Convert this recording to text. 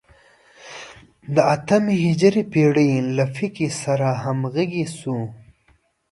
د اتمې هجري پېړۍ له فقیه سره همغږي شو.